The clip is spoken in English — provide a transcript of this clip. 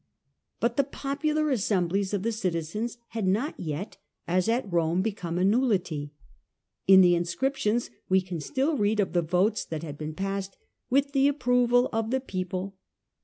But the popular assemblies of the citizens had not Popular yet, as at Rome, become a nullity. In the sST met for inscriptions we can still read of the votes that business. had passed ' with the approval of the people.'